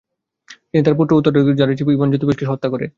তিনি তার পুত্র ও উত্তরাধিকার জারেভিচ ইভান ইভানোভিচকে হত্যা করে।